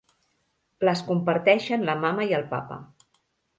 Les comparteixen la mama i el papa.